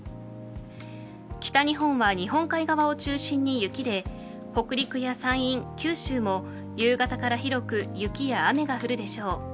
北日本は日本海側を中心に雪で北陸や山陰、九州も夕方から広く雪や雨が降るでしょう。